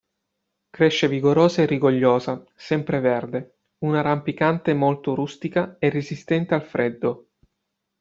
Cresce vigorosa e rigogliosa, sempreverde, una rampicante molto rustica e resistente al freddo.